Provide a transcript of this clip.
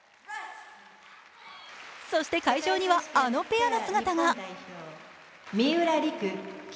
そして会場にはあのペアの姿が。